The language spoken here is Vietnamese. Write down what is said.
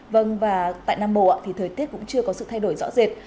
vâng và tại nam bộ thì thời tiết cũng chưa có sự thay đổi rõ rệt